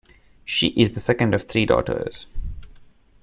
She is the second of three daughters.